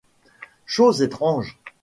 Chose étrange !